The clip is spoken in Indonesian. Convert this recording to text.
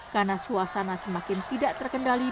karena suasana semakin tidak terkendali